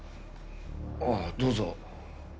ああどうぞ。